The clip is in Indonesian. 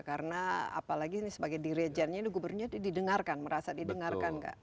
karena apalagi ini sebagai dirijennya gubernurnya didengarkan merasa didengarkan kak